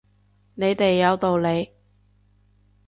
你哋有道理